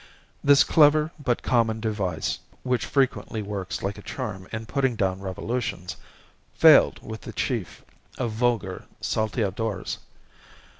This clever but common device (which frequently works like a charm in putting down revolutions) failed with the chief of vulgar Salteadores.